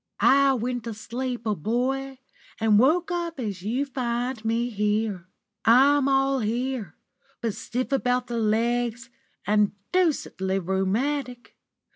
I went to sleep a boy and woke as you find me. I'm all here, but stiff about the legs, and deucedly rheumatic.